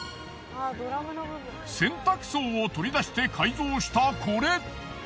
洗濯槽を取り出して改造したこれ。